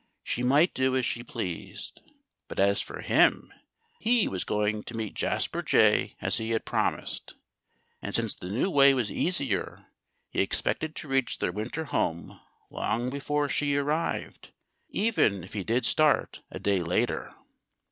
she might do as she pleased. But as for him, he was going to meet Jasper Jay just as he had promised. And since the new way was easier, he expected to reach their winter home long before she arrived, even if he did start a day later.